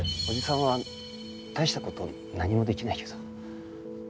おじさんは大した事何もできないけど。